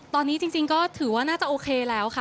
ตอนนี้จริงก็ถือว่าน่าจะโอเคแล้วค่ะ